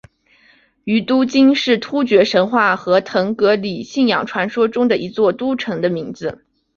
于都斤是突厥神话和腾格里信仰传说中的一座都城的名字。